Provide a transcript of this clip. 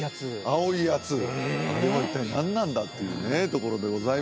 青いやつあれは一体何なんだというねところでございます